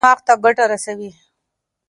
چارمغز دماغ ته ګټه رسوي.